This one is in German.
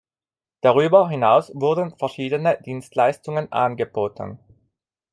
Darüber hinaus wurden verschiedene Dienstleistungen angeboten.